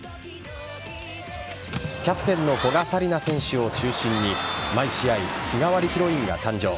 キャプテンの古賀紗理那選手を中心に毎試合、日替わりヒロインが誕生。